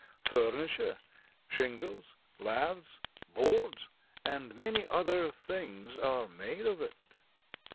Furniture, shingles, laths, boards and many other things are made of it.